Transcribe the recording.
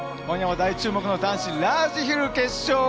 今夜も大注目の男子ラージヒル決勝。